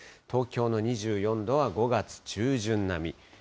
東京の２４度は５月中旬並み。